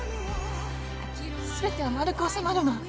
全ては丸く収まるの。